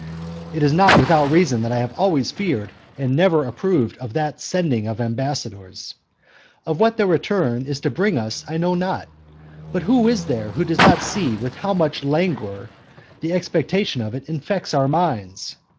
It is not without reason that I have always feared and never approved of that sending of ambassadors. And what their return is to bring us I know not, but who is there who does not see with how much languor the expectation of it infects our minds?